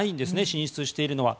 進出しているのは。